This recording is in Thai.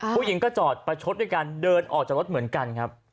ผู้หญิงก็จอดประชดด้วยการเดินออกจากรถเหมือนกันครับ